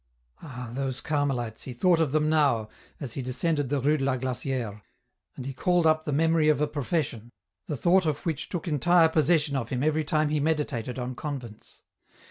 Ah ! those Carmelites, he thought of them now, as he descended the Rue de la Glaciere, and he called up the memory of a profession, the thought of which took entire possession of him every time he meditated on convents.